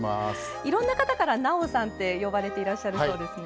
いろんな方から、なおさんって呼ばれていらっしゃるそうですね。